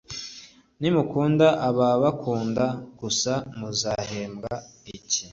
nimukunda ababakunda gusa muzahembwa iki